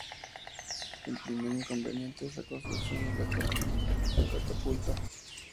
El primer inconveniente es la construcción de la catapulta.